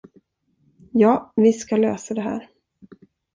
Ja, vi ska lösa det här.